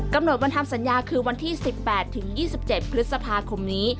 กำหนดวันทำสัญญาคือวันที่๑๘๒๗พฤษภาคมนี้